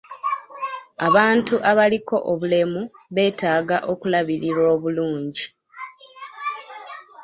Abantu abaliko obulemu beetaaga okulabirirwa obulungi.